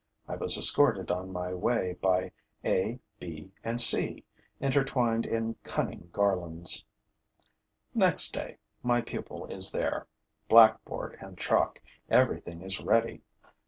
I was escorted on my way by a, b and c, intertwined in cunning garlands. Next day, my pupil is there. Blackboard and chalk, everything is ready.